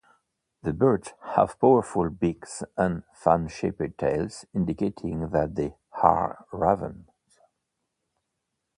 The birds have powerful beaks and fan-shaped tails, indicating that they are ravens.